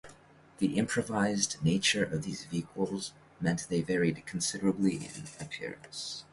The improvised nature of these vehicles meant they varied considerably in appearance.